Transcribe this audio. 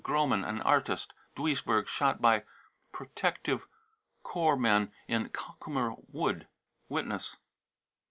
gromann, an artist, Duisburg, shot by protects corps men in Kalkumer Wood. (Witness.)